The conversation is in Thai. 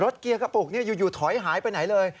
เกียร์กระปุกอยู่ถอยหายไปไหนเลย